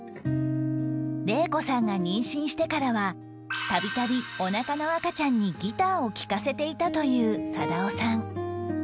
令子さんが妊娠してからはたびたびおなかの赤ちゃんにギターを聴かせていたという貞雄さん